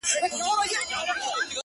• د نریو اوبو مخ په بېل بندیږي ,